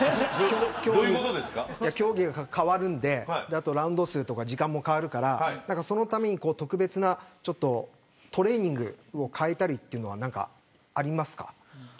競技が変わるのでラウンド数や時間も変わるからそのために特別トレーニングを変えたりとかありますか。